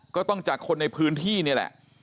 ก็ต้องจากคนในพื้นที่นี่แหละ